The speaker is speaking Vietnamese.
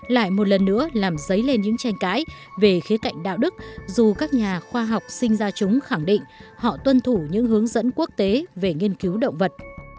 lại một lần nữa làm dấy lên những tranh cãi về khía cạnh đạo đức dù các nhà khoa học sinh ra chúng khẳng định họ tuân thủ những hướng dẫn quốc tế về nghiên cứu động vật